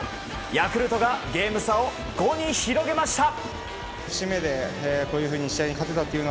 ヤクルトがゲーム差を５に広げました。